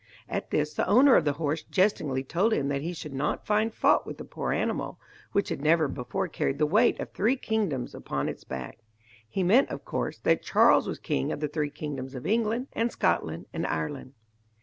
At this the owner of the horse jestingly told him that he should not find fault with the poor animal, which had never before carried the weight of three kingdoms upon its back. He meant, of course, that Charles was king of the three kingdoms of England, and Scotland, and Ireland.